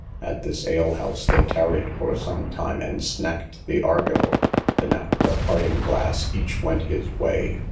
At this alehouse they tarried for some time, and snacked the argot; then, after a parting glass, each went his way.